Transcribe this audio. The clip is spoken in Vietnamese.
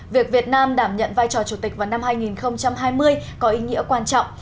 việc việt nam đảm nhận vai trò chủ tịch vào năm hai nghìn hai mươi có ý nghĩa quan trọng